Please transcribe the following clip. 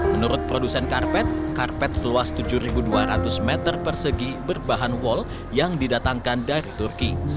menurut produsen karpet karpet seluas tujuh dua ratus meter persegi berbahan wall yang didatangkan dari turki